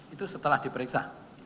itu setelah diperiksa